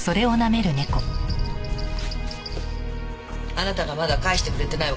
あなたがまだ返してくれてない